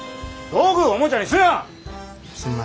道具をおもちゃにすな！